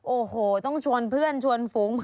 โอ้โหต้องชวนเพื่อนชวนฝูง